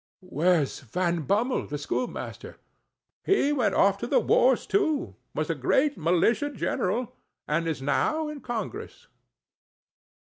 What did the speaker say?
"Where's Van Bummel, the schoolmaster?" "He went off to the wars too, was a great militia general, and is now in congress."